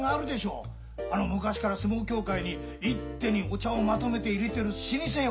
あの昔から相撲協会に一手にお茶をまとめて入れてる老舗よ。